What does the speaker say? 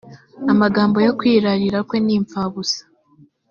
amagambo yo kwirarira kwe ni imfabusa